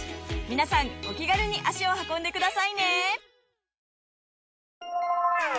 皆さんお気軽に足を運んでくださいね！